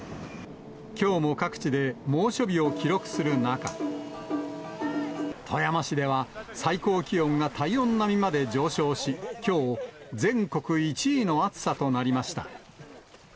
きょうも各地で猛暑日を記録する中、富山市では最高気温が体温並みまで上昇し、きょう、全国１位の暑さとなりました。